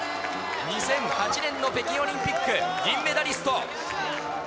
２００８年の北京オリンピック銀メダリスト。